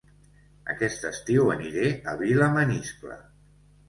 Aquest estiu aniré a Vilamaniscle